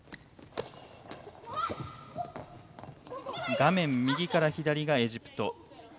画面右から左がエジプト。